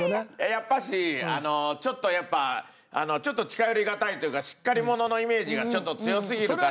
やっぱしあのちょっとやっぱちょっと近寄りがたいというかしっかり者のイメージがちょっと強すぎるから。